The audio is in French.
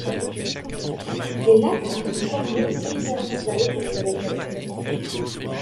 Les lacs se sont formés des différentes vallées de la zone de rift.